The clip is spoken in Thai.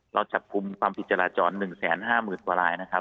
เราจับกลุ่มความผิดจราจร๑๕๐๐๐กว่ารายนะครับ